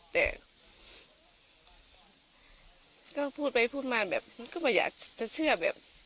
แต่ก็พูดไปพูดมาแบบมันก็ไม่อยากจะเชื่อแบบ